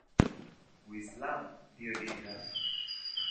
Uislamu ndio dini rasmi.